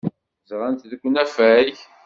Ẓran-tt deg unafag.